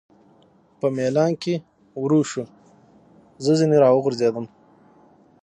په مېلان کې ورو شو، زه ځنې را وغورځېدم.